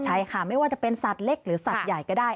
ใช่ค่ะไม่ว่าจะเป็นสัตว์เล็กหรือสัตว์ใหญ่ก็ได้